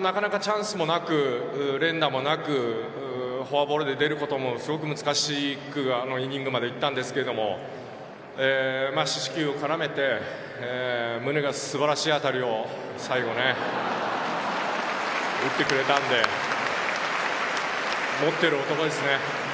なかなかチャンスもなく連打もなくフォアボールで出ることもすごく難しくあのイニングまでいったんですけど四死球を絡めてムネが素晴らしい当たりを最後打ってくれたので持ってる男ですね。